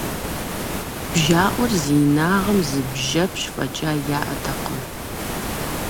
БжьаӀуэр зи инагъым зы бжьэпщ фӀэкӀа яӀэтэкъым.